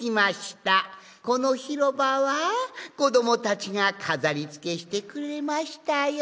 このひろばはこどもたちがかざりつけしてくれましたよ。